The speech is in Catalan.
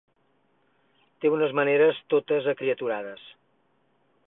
Té unes maneres totes acriaturades.